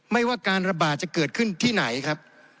ไม่ว่าการระบาดจะเกิดขึ้นที่ไหนครับ